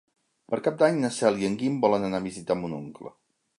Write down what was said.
Per Cap d'Any na Cel i en Guim volen anar a visitar mon oncle.